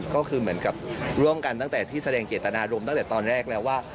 ก็คือเหมือนกับร่วมกันตั้งแต่ที่แสดงเจตนารมณ์ตั้งแต่ตอนแรกแล้วว่า